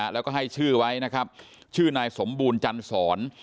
แล้วก็ให้ชื่อไว้นะครับชื่อนายสมบูรณ์จันสอน